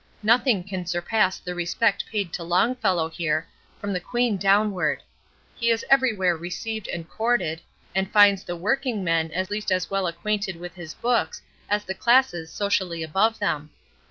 "Nothing can surpass the respect paid to Longfellow here, from the Queen downward. He is everywhere received and courted, and finds the working men at least as well acquainted with his books as the classes socially above them."